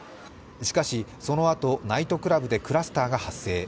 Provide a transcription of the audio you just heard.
しかし、そのあと、ナイトクラブでクラスターが発生。